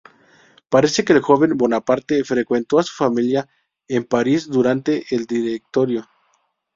Parece que joven Bonaparte frecuentó a su familia en París durante el Directorio.